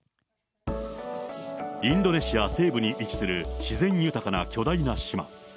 インドネシア西部に位置する自然豊かな巨大な島。